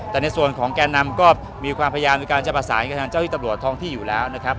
แต่ในส่วนของแก่นำก็มีความพยายามในการจะประสานกับทางเจ้าที่ตำรวจท้องที่อยู่แล้วนะครับ